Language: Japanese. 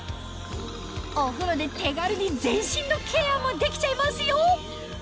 お風呂で手軽に全身のケアもできちゃいますよ